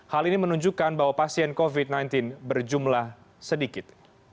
hal ini menunjukkan bahwa pasien covid sembilan belas berjumlah sedikit